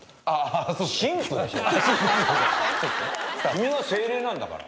君が聖霊なんだから。